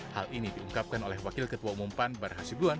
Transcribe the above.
hal ini diungkapkan oleh wakil ketua umum pan barhasibuan